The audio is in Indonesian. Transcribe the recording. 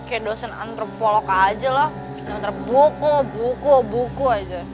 kayak dosen antropolog aja lah antrop buku buku buku aja